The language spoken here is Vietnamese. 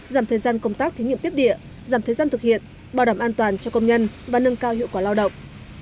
giảm thời gian công tác thí nghiệm tiếp địa giảm thời gian thực hiện bảo đảm an toàn cho công nhân và nâng cao hiệu quả lao động